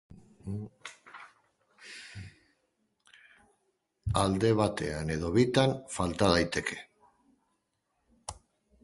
Alde batean edo bitan falta daiteke.